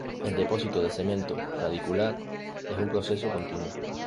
El depósito de cemento radicular es un proceso continuo.